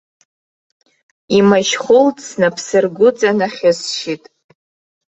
Имашьхәылҵ снапсыргәыҵа нахьысшьит.